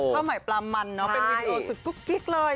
ข้าวใหม่ปลามันเนาะเป็นอินโดสุดกุ๊กกิ๊กเลย